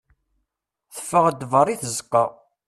Teffeɣ-d berra i tzeqqa.